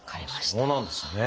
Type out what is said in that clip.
そうなんですね。